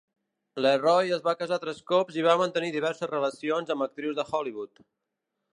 LeRoy es va casar tres cops i va mantenir diverses relacions amb actrius de Hollywood.